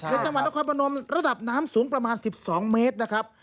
ในจังหวัดนครพนมระดับน้ำสูงประมาณ๑๒เมตรนะครับ